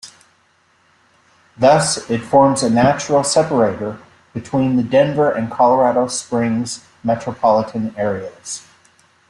Thus, it forms a natural separator between the Denver and Colorado Springs metropolitan areas.